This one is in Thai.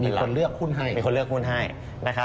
มีคนเลือกหุ้นให้